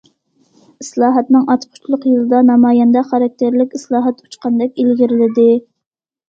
ئىسلاھاتنىڭ ئاچقۇچلۇق يىلىدا، نامايەندە خاراكتېرلىك ئىسلاھات ئۇچقاندەك ئىلگىرىلىدى.